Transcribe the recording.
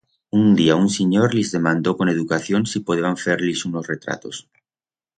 Un día un sinyor lis demandó con educación si podeba fer-lis unos retratos.